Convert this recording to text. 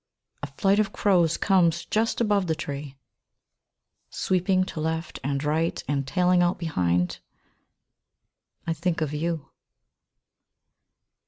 A flight of crows comes just above the tree, Sweeping to left and right, and tailing out behind. I think of you.